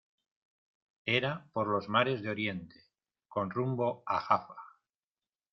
era por los mares de Oriente, con rumbo a Jafa.